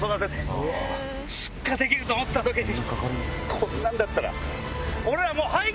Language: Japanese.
こんなんだったら。